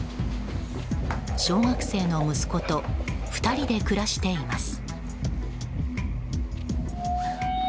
小学生の息子と２人で暮らしています。